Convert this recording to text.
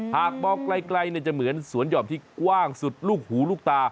หากมองไกลจะเหมือนสวนห่อมที่กว้างสุดลูกหูลูกตา